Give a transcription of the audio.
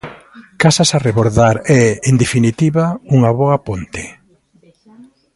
Casas a rebordar e, en definitiva, unha boa ponte.